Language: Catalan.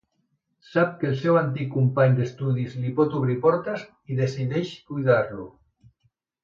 Sap que el seu antic company d'estudis li pot obrir portes i decideix cuidar-lo.